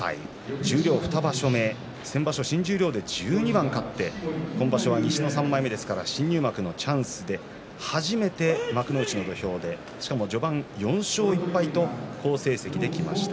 十両２場所目先場所、新十両で１２番勝って今場所は西の３枚目ですから新入幕のチャンスで初めて幕内の土俵でしかも序盤４勝１敗と好成績できました。